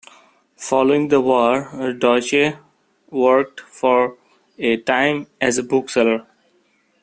Following the war Deutsch worked for a time as a bookseller.